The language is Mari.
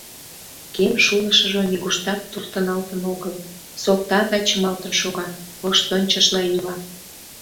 Кем шулышыжо нигуштат туртыналтын огыл, сокта гай чымалтын шога, воштончышла йӱла.